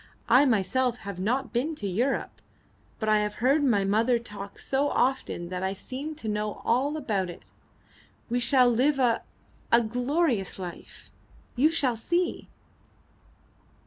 I myself have not been to Europe, but I have heard my mother talk so often that I seem to know all about it. We shall live a a glorious life. You shall see."